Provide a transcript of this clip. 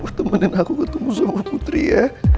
mau temenin aku ketemu sama putri ya